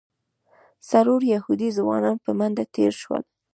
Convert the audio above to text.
څلور یهودي ځوانان په منډه تېر شول.